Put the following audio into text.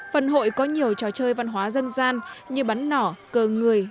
phần hội có nhiều trò chơi văn hóa dân gian như bắn nỏ cờ người